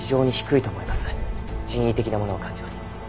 人為的なものを感じます。